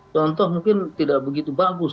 contoh mungkin tidak begitu bagus